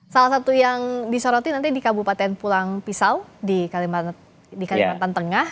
salah satu yang disoroti nanti di kabupaten pulang pisau di kalimantan tengah